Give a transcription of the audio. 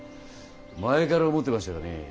前から思ってましたがね